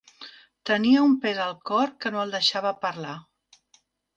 Tenia un pes al cor que no el deixava parlar.